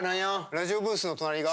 ラジオブースの隣が？